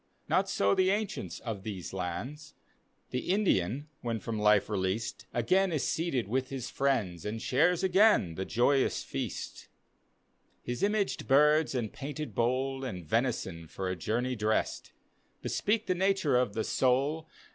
Not so the ancients of these lands; — The Indian, when from life released, Again is seated wi^ his friends, And ^ares again die joyous feast, His imaged birds and painted bowl, And venison, for a journey dressed, Bespeak the nature of the soul.